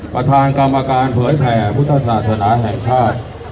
ประธานกรรมการเผยแผ่พุทธศาสนาแห่งชาติ